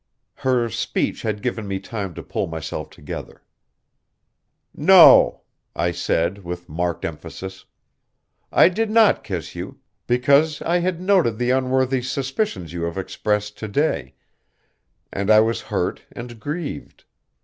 Her speech had given me time to pull myself together. "No," I said with marked emphasis, "I did not kiss you, because I had noted the unworthy suspicions you have expressed to day, and I was hurt and grieved.